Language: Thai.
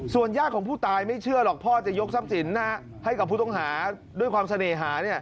ญาติของผู้ตายไม่เชื่อหรอกพ่อจะยกทรัพย์สินให้กับผู้ต้องหาด้วยความเสน่หา